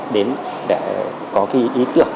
để có ý tưởng